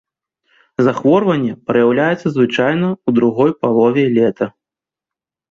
Захворванне праяўляецца звычайна ў другой палове лета.